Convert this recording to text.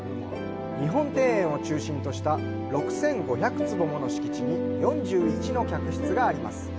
日本庭園を中心とした６５００坪もの敷地に４１の客室があります。